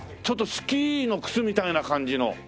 ちょっとスキーの靴みたいな感じの。